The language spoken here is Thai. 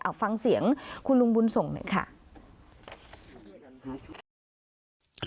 เอาฟังเสียงคุณลุงบุญส่งหน่อยค่ะ